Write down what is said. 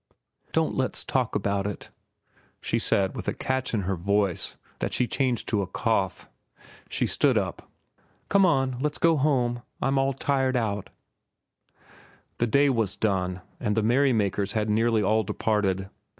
"Don't let's talk about it," she said with a catch in her voice that she changed to a cough. She stood up. "Come on, let's go home. I'm all tired out." The day was done, and the merrymakers had nearly all departed.